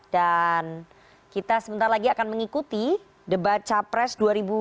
dan kita sebentar lagi akan mengikuti debat capres dua ribu dua puluh empat